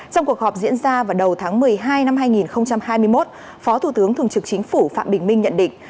trong cuộc họp diễn ra vào đầu tháng một mươi hai năm hai nghìn hai mươi một phó thủ tướng thường trực chính phủ phạm bình minh nhận định